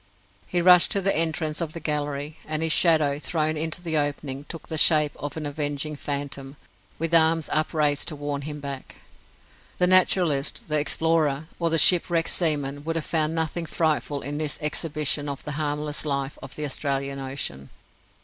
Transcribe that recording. He rushed to the entrance of the gallery, and his shadow, thrown into the opening, took the shape of an avenging phantom, with arms upraised to warn him back. The naturalist, the explorer, or the shipwrecked seaman would have found nothing frightful in this exhibition of the harmless life of the Australian ocean.